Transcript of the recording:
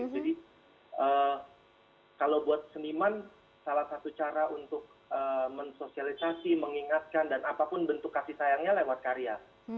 jadi kalau buat seniman salah satu cara untuk mensosialisasi mengingatkan dan apapun bentuk kasih sayangnya lewat karya